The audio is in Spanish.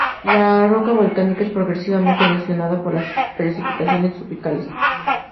La roca volcánica es progresivamente erosionada por las precipitaciones tropicales.